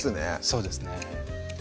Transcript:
そうですね